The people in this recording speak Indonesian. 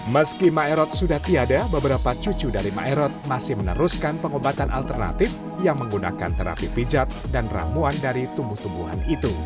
meski maerot sudah tiada beberapa cucu dari maerot masih meneruskan pengobatan alternatif yang menggunakan terapi pijat dan ramuan dari tumbuh tumbuhan itu